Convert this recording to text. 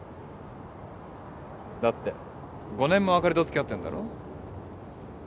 だって５年もあかりと付き合ってんだろ？